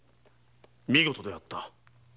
見事であった。